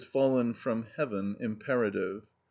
_, fallen from heaven) imperative.